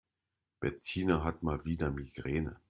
Bettina hat mal wieder Migräne.